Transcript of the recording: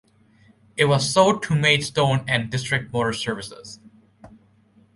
It was sold to Maidstone and District Motor Services.